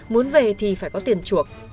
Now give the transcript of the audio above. muốn về thì phải có tiền chuộc